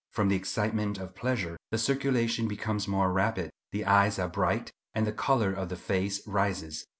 From the excitement of pleasure, the circulation becomes more rapid; the eyes are bright, and the colour of the face rises.